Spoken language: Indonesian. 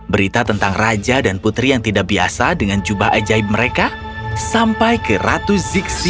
berita tentang raja dan putri yang tidak biasa dengan jubah ajaib mereka sampai ke ratu zigsi